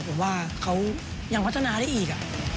ผมว่าเขายังพัฒนาได้อีก